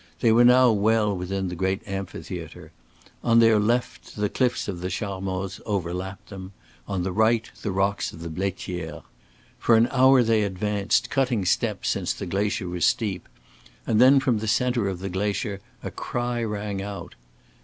They were now well within the great amphitheater. On their left the cliffs of the Charmoz overlapped them, on the right the rocks of the Blaitière. For an hour they advanced, cutting steps since the glacier was steep, and then from the center of the glacier a cry rang out.